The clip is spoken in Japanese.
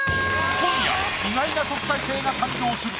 今夜意外な特待生が誕生する。